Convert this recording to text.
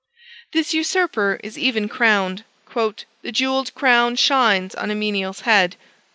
This usurper is even crowned: "the jeweled crown shines on a menial's head."